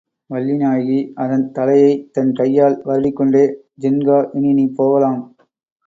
வள்ளிநாயகி அதன் தலையைத் தன் கையால் வருடிக்கொண்டே, ஜின்கா, இனி நீ போகலாம்.